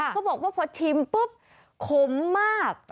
เขาบอกว่าพอชิมปุ๊บขมมาก